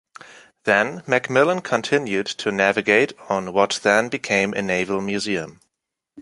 Then MacMillan continued to navigate on what then became a naval museum.